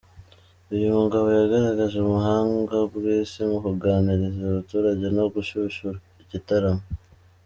Uyu mugabo yagaragaje ubuhanga bwinshi mu kuganiriza abaturage no gushyushya igitaramo.